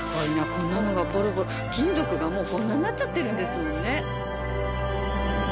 こんなのがボロボロ金属がもうこんなんなっちゃってるんですもんね。